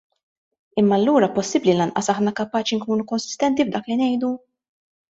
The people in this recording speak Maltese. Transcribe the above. Imma allura possibbli lanqas aħna kapaċi nkunu konsistenti f'dak li ngħidu?